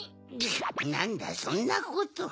なんだそんなこと。